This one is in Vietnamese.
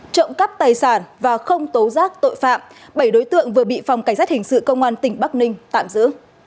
trộm cắp tài sản và không tố giác tội phạm bảy đối tượng vừa bị phòng cảnh sát hình sự công an tỉnh bắc ninh tạm giữ